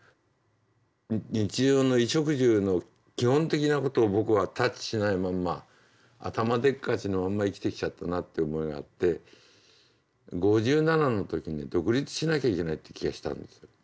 日常の衣食住の基本的なことを僕はタッチしないまんま頭でっかちのまんま生きてきちゃったなって思いがあって５７の時に独立しなきゃいけないって気がしたんです。